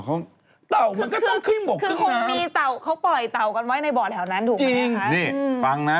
เต่ามันก็ต้องขึ้นบกขึ้นน้ำ